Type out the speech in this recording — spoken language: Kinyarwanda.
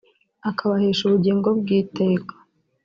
akabahesha ubugingo bw’iteka’’